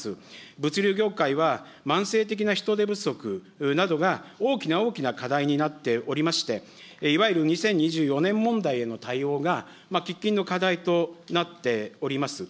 物流業界は慢性的な人手不足などが大きな大きな課題になっておりまして、いわゆる２０２４年問題への対応が、喫緊の課題となっております。